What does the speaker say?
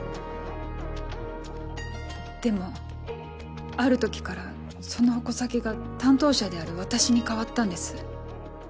でもある時からその矛先が担当者である私に変わったんです。